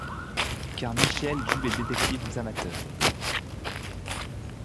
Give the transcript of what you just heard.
Car Michel joue les détectives amateurs.